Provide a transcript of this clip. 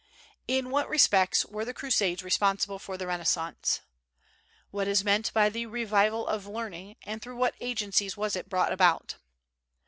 In what respects were the Crusades responsible for the Renaissance? What is meant by the "revival of learning," and through what agencies was it brought about?